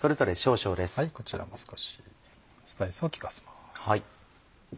こちらも少しスパイスを効かせます。